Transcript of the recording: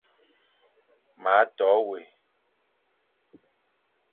Ma to wé,